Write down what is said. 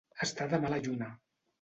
Estar de mala lluna.